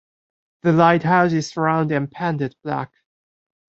The lighthouse is round and painted black.